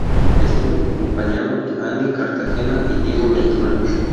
Estuvo acompañado por Andy Cartagena y Diego Ventura.